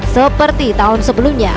seperti tahun sebelumnya